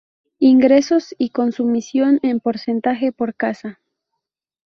Ingresos y consumición en porcentaje por casa.